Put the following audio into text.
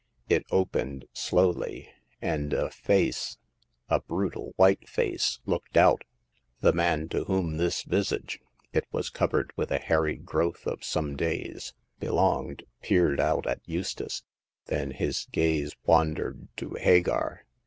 It opened slowly, and a face — a brutal white face — looked out. The man to whom this visage— it was covered with a hairy growth of some days — belonged peered out at Eustace ; then his gaze wandered to Hagar.